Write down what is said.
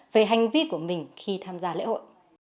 về hành vi của mình khi tham gia lễ hội